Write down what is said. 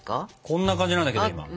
こんな感じなんだけど今。